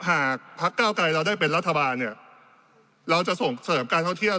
หากพักเก้าไกรเราได้เป็นรัฐบาลเนี่ยเราจะส่งเสริมการท่องเที่ยว